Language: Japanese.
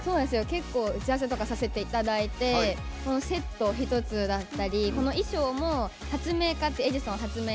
結構、打ち合わせとかさせていただいてセット一つだったりこの衣装もエジソン発明